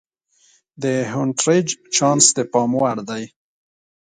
د هونټریج چانس د پام وړ دی.